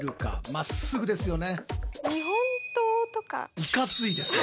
まっすぐですよね。